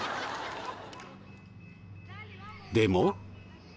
でも。